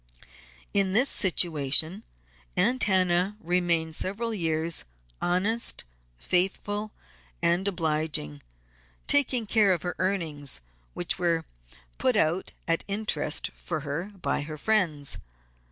In this situation Aunt Hannah remained several years, honest, faithful, and obliging, taking care of her earnings, which were put out at interest for her by her friends.